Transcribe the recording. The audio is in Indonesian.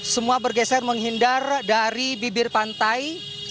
semua bergeser menghindar dari bibir pantai